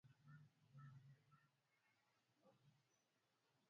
idadi kubwa ya mamba majabali ya mawe yenye mvuto wa kupendeza Tambarare zenye nyasi